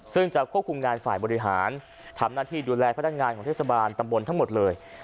ซึ่งจะควบคุมงานฝ่ายบริหารทำหน้าที่ดูแลพนักงานของเทศบาลตำบลทั้งหมดเลย